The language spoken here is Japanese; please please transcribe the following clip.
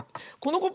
コップ。